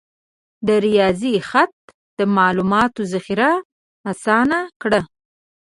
د ریاضي خط د معلوماتو ذخیره آسانه کړه.